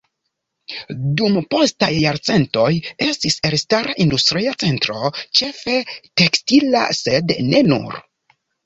Dum postaj jarcentoj estis elstara industria centro ĉefe tekstila, sed ne nur.